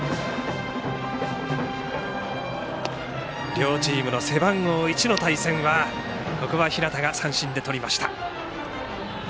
両チームの背番号１の対戦はここは日當が三振でとりました。